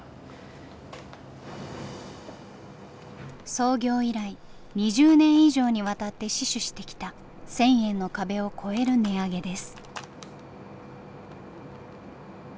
創業以来２０年以上にわたって死守してきた１，０００円の壁を超える値上げです。